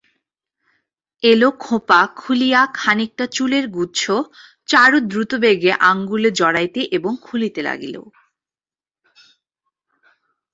এলো খোঁপা খুলিয়া খানিকটা চুলের গুচ্ছ চারুদ্রুতবেগে আঙুলে জড়াইতে এবং খুলিতে লাগিল।